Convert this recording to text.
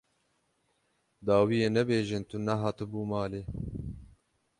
Dawiyê nebêjin tu nehatibû malê.